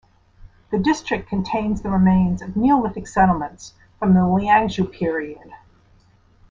The district contains the remains of Neolithic settlements from the Liangzhu period.